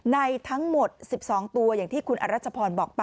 ในทั้งหมด๑๒ตัวอย่างที่คุณอรัชพรบอกไป